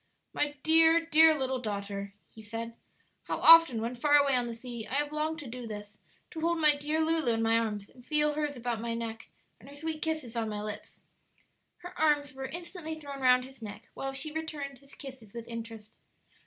"My dear, dear little daughter," he said. "How often, when far away on the sea, I have longed to do this to hold my dear Lulu in my arms and feel hers about my neck and her sweet kisses on my lips." Her arms were instantly thrown round his neck, while she returned his kisses with interest.